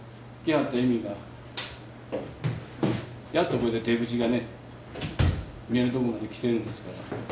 やっとこれで出口がね見えるとこまできてるんですから。